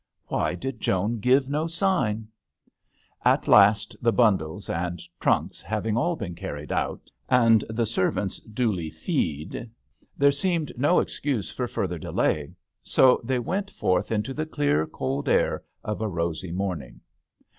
Why did Joan give no sign ? At last, the bundles and trunks having all been carried out, and the servants duly rewarded, there seemed no excuse for further delay, so they went forth into the clear, cold air of a rosy morn ing.